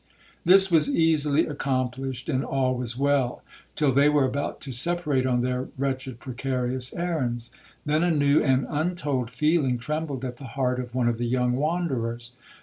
This was easily accomplished, and all was well, till they were about to separate on their wretched precarious errands. Then a new and untold feeling trembled at the heart of one of the young wanderers.